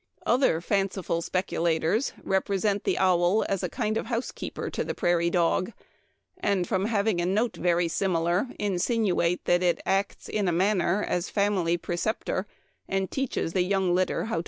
Other fanciful speculators represent the owl as a kind of housekeeper to the prairie dog ; and, from having a note very similar, insinuate that it acts in a manner as family preceptor, and teaches the young litter to bark.